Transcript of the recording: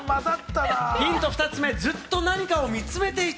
ヒント、ずっと何かを見つめていた。